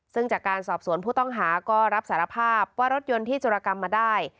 ซึ่งจากการสอบสวนผู้ต้องหาก็รับสารภาพว่ารถยนต์ที่จุรกรรมมาได้